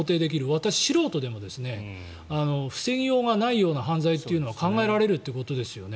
私、素人でも防ぎようがないような犯罪というのを考えられるということですよね。